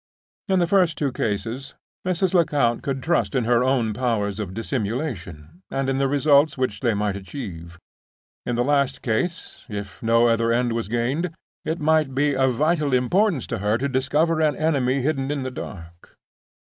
In the first two cases, Mrs. Lecount could trust in her own powers of dissimulation, and in the results which they might achieve. In the last case (if no other end was gained), it might be of vital importance to her to discover an enemy hidden in the dark.